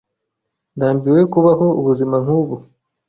Ndambiwe kubaho ubuzima nk'ubu.